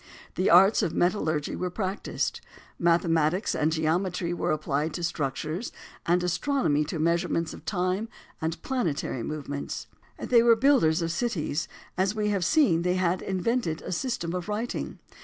The arts of metallurgy were practised. Mathematics and geometry were applied to structures, and astronomy to measurements of time and planetary movements. They were builders of cities. As we have seen, they had invented a system of writing.